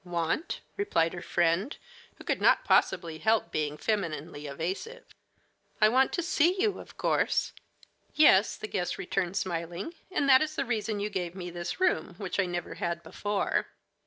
"Want?" replied her friend, who could not possibly help being femininely evasive. "I want to see you, of course." "Yes," the guest returned, smiling; "and that is the reason you gave me this room, which I never had before."